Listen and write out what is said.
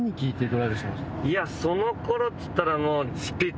いやその頃っつったらもう。